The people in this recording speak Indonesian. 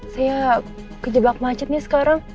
saya kejebak macet nih sekarang